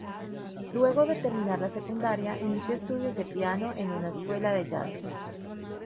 Luego de terminar la secundaria inició estudios de piano en una escuela de jazz.